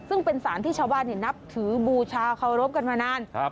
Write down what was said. ซึ่งเป็นสารที่ชาวบ้านนับถือบูชาเคารพกันมานาน